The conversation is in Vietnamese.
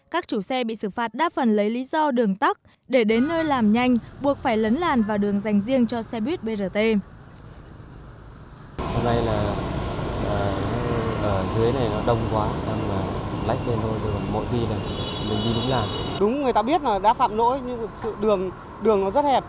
các chủ xe bị xử phạt đa phần lấy lý do đường tắc để đến nơi làm nhanh buộc phải lấn làn vào đường dành riêng cho xe buýt brt